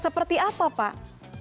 seperti apa pak